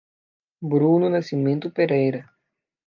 Bruno Nascimento Pereira